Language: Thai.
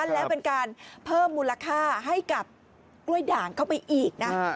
แล้วเป็นการเพิ่มมูลค่าให้กับกล้วยด่างเข้าไปอีกนะ